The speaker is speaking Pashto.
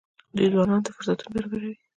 دوی ځوانانو ته فرصتونه برابروي.